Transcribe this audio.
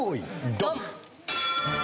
ドン！